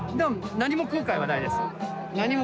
何も後悔はない。